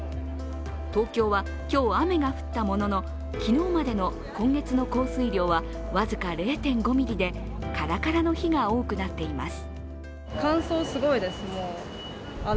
東京は、今日、雨が降ったものの、昨日までの今月の降水量は僅か０．５ミリでカラカラの日が多くなっています。